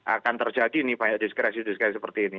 akan terjadi nih banyak diskresi diskresi seperti ini